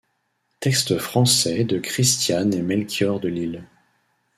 Texte français de Christiane et Melchior de Lisle.